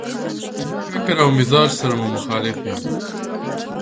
له فکر او مزاج سره مو مخالف وي.